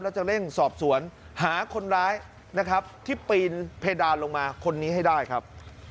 แล้วจะเร่งสอบสวนหาคนร้ายนะครับที่ปีนเพดานลงมาคนนี้ให้ได้ครับ